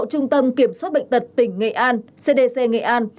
và trung tâm kiểm soát bệnh tật tỉnh nghệ an và trung tâm kiểm soát bệnh tật tỉnh nghệ an